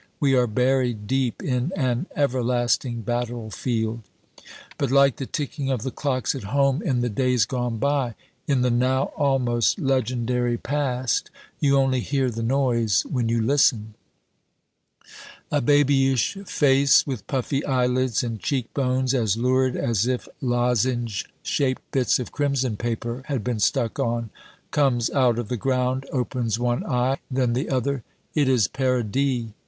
We are buried deep in an everlasting battlefield; but like the ticking of the clocks at home in the days gone by in the now almost legendary Past you only hear the noise when you listen. A babyish face with puffy eyelids, and cheek bones as lurid as if lozenge shaped bits of crimson paper had been stuck on, comes out of the ground, opens one eye, then the other. It is Paradis.